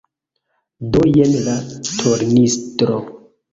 Do jen la tornistro.